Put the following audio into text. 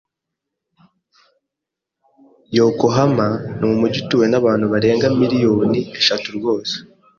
Yokohama n'umujyi utuwe n'abantu barenga miliyoni eshatu rwose